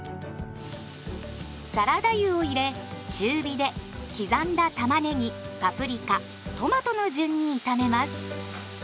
サラダ油を入れ中火で刻んだたまねぎパプリカトマトの順に炒めます。